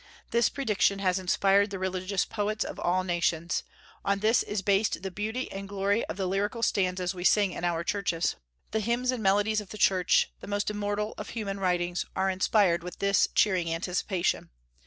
This prediction has inspired the religious poets of all nations; on this is based the beauty and glory of the lyrical stanzas we sing in our churches. The hymns and melodies of the Church, the most immortal of human writings, are inspired with this cheering anticipation.